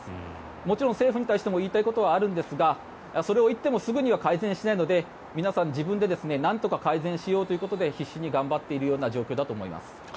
もちろん政府に対しても言いたいことはあるんですがそれを言ってもすぐには改善しないので皆さん、自分でなんとか改善しようということで必死に頑張っている状況だと思います。